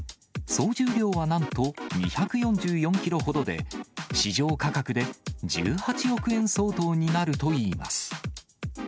総重量はなんと２４４キロほどで、市場価格で１８億円相当になるといいます。